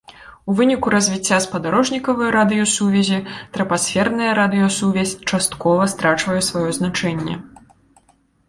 У выніку развіцця спадарожнікавай радыёсувязі трапасферная радыёсувязь часткова страчвае сваё значэнне.